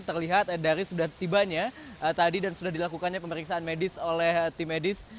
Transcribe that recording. terlihat dari sudah tibanya tadi dan sudah dilakukannya pemeriksaan medis oleh tim medis